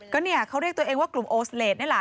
ก็เนี่ยเขาเรียกตัวเองว่ากลุ่มโอสเลสนี่แหละ